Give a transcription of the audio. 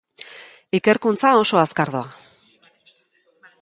Ikerkuntza oso azkar doa.